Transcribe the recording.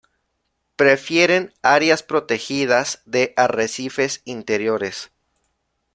Prefieren áreas protegidas de arrecifes interiores.